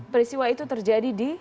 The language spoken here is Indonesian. perisiwa itu terjadi di